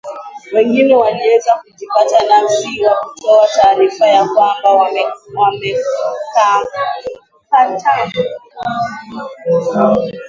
mwingine waliweza kujipatia sifa wakitoa taarifa ya kwamba wamekamata